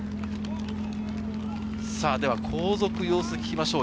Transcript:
後続の様子を聞きましょう。